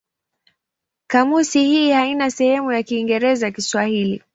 Kamusi hii haina sehemu ya Kiingereza-Kiswahili.